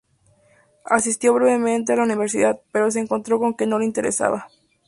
Asistió brevemente a la universidad, pero se encontró con que no le interesaba.